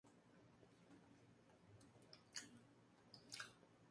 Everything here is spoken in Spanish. Estos cambios los hicieron sobre un foso todavía más antiguo, pequeño y estrecho.